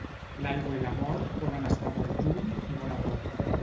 L'aigua i la mort poden estar molt lluny i molt a prop.